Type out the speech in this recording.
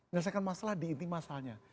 menyelesaikan masalah di inti masalahnya